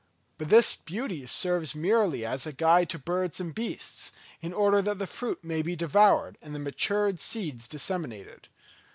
But this beauty serves merely as a guide to birds and beasts, in order that the fruit may be devoured and the matured seeds disseminated.